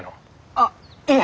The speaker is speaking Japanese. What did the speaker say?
あっいえ！